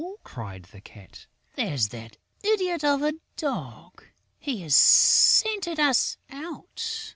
cried the Cat. "There's that idiot of a Dog! He has scented us out!